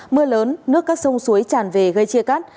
mưa lớn nước các sông suối tràn về gây chia cắt